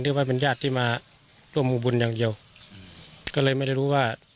ว่าเป็นญาติที่มาร่วมบุญอย่างเดียวอืมก็เลยไม่ได้รู้ว่า